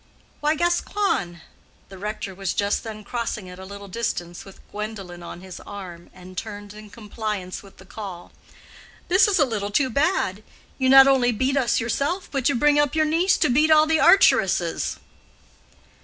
Why, Gascoigne!"—the rector was just then crossing at a little distance with Gwendolen on his arm, and turned in compliance with the call—"this is a little too bad; you not only beat us yourself, but you bring up your niece to beat all the archeresses."